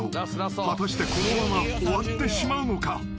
［果たしてこのまま終わってしまうのか？］